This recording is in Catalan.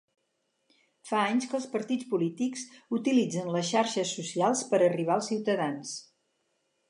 Fa anys que els partits polítics utilitzen les xarxes socials per arribar als ciutadans.